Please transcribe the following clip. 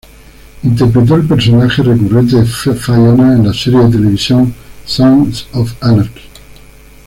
Interpretó el personaje recurrente de Fiona en la serie de televisión "Sons Of Anarchy".